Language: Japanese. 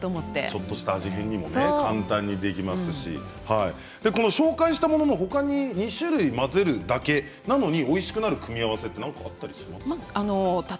ちょっとした味変も簡単にできますしこの紹介したものの他に２種類混ぜるだけなのにおいしくなる組み合わせってあったりしますか。